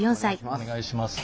お願いします。